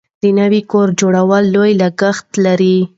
د نوي کور جوړول لوی لګښت لري.